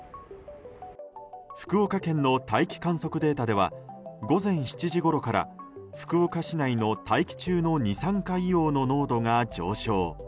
福岡県の大気観測データでは午前７時ごろから福岡市内の大気中の二酸化硫黄の濃度が上昇。